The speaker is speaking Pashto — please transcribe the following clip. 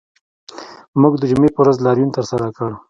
موږ د جمعې په ورځ لاریون ترسره کړ